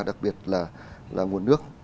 đặc biệt là nguồn nước